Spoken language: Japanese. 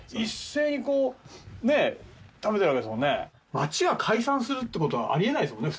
町が解散するって事はありえないですもんね